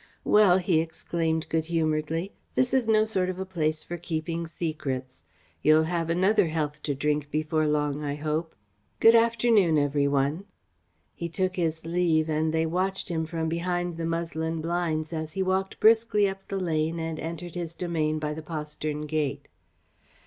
"Well," he exclaimed good humouredly, "this is no sort of a place for keeping secrets. You'll have another health to drink before long, I hope. Good afternoon, every one." He took his leave, and they watched him from behind the muslin blinds as he walked briskly up the lane and entered his domain by the postern gate.